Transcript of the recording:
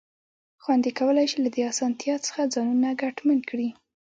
خویندې کولای شي له دې اسانتیا څخه ځانونه ګټمن کړي.